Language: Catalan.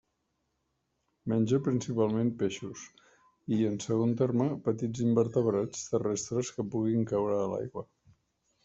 Menja principalment peixos i, en segon terme, petits invertebrats terrestres que puguin caure a l'aigua.